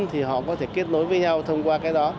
thì họ có thể kết nối với nhau thông qua cái đó